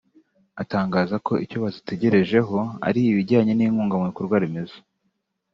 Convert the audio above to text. atangaza ko icyo bazitegerejeho ari ibijyanye n’inkunga mu bikorwa remezo